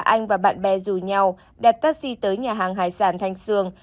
anh và bạn bè rủ nhau đặt taxi tới nhà hàng hải sản thanh sương